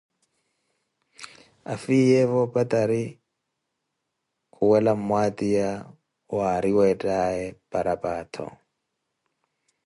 Afiyeevo opatari khuwela mmwatiya wari weethaye parapaattho.